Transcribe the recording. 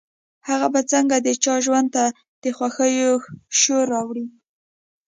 هغه به څنګه د چا ژوند ته د خوښيو شور راوړي.